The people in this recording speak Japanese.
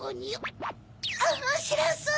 おもしろそう！